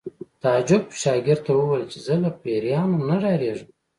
تعجب شاګرد ته وویل چې زه له پیریانو نه ډارېږم